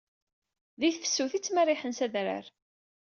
Di tefsut i ttmerriḥen s adrar.